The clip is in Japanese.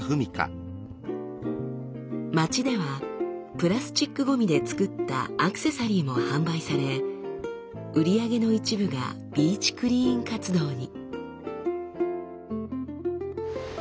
街ではプラスチックゴミで作ったアクセサリーも販売され売り上げの一部がビーチクリーン活動に。